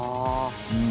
うん。